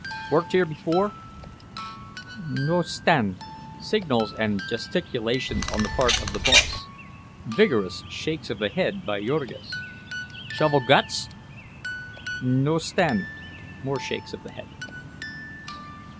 "Worked here before?" "No 'stand." (Signals and gesticulations on the part of the boss. Vigorous shakes of the head by Jurgis.) "Shovel guts?" "No 'stand." (More shakes of the head.)